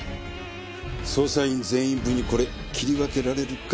捜査員全員分にこれ切り分けられるか？